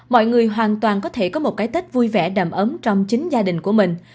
mọi người hoàn toàn có thể có một cái tết vui vẻ đầm ấm trong chính gia đình của mình